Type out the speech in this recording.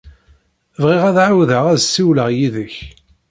Bɣiɣ ad ɛawdeɣ ad ssiwleɣ yid-k.